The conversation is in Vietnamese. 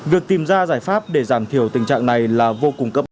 việc tìm ra giải pháp để giảm thiểu tình trạng này là vô cùng cấp bách